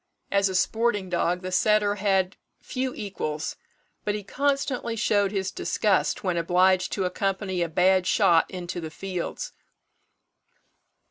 As a sporting dog the setter had few equals, but he constantly showed his disgust when obliged to accompany a bad shot into the fields.